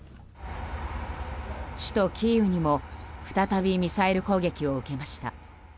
首都キーウにも再びミサイル攻撃を受けました。